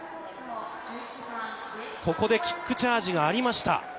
ここでキックチャージがありました。